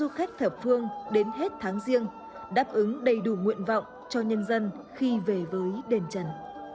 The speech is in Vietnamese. du khách thập phương đến hết tháng riêng đáp ứng đầy đủ nguyện vọng cho nhân dân khi về với đền trần